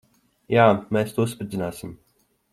Jā. Mēs to uzspridzināsim.